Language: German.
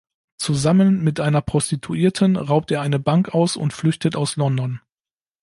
Zusammen mit einer Prostituierten raubt er eine Bank aus und flüchtet aus London.